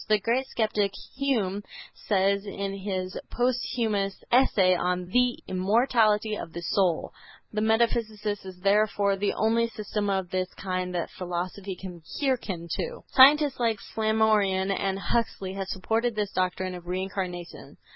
The great skeptic Hume says in his posthumous essay on "The Immortality of the Soul," "The metempsychosis is therefore the only system of this kind that philosophy can hearken to." Scientists like Flammarion and Huxley have supported this doctrine of Reincarnation.